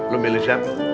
lo beli siap